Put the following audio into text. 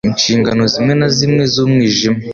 inshingano zimwe na zimwe z'umwijima